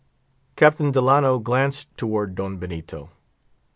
Captain Delano glanced towards Don Benito.